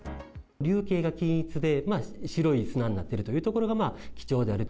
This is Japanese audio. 粒径が均一で、白い砂になってるというところが貴重である。